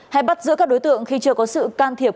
hay bắt giữ các đối tượng khi chưa có sự can thiệp